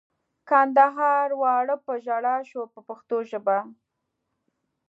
کندهار واړه په ژړا شو په پښتو ژبه.